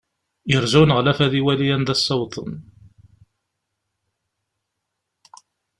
Yerza uneɣlaf ad iwali anda i ssawḍen.